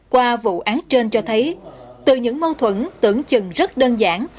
qua vụ án trên cho thấy từ những mâu thuẫn tưởng chừng rất đơn giản